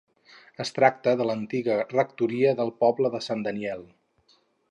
Es tracta de l'antiga rectoria del poble de Sant Daniel.